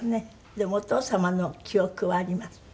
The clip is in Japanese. でもお父様の記憶はあります？